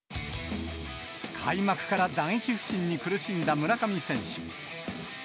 開幕から打撃不振に苦しんだ村上選手。